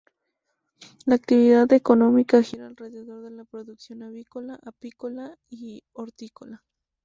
La actividad económica gira alrededor de la producción avícola, apícola y hortícola.